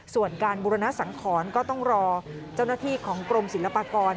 ส่วนการบุรณสังขรก็ต้องรอเจ้าหน้าที่ของกรมศิลปากร